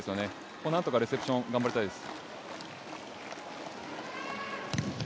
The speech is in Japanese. このあとのレセプション、頑張りたいです。